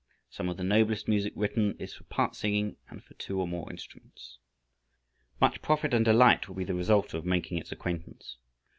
Some of the noblest music written is for part singing and for two or more instruments. Much profit and delight will be the result of making its acquaintance.